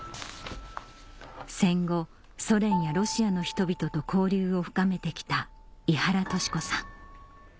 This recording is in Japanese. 戦後ソ連やロシアの人々と交流を深めて来た伊原敏子さん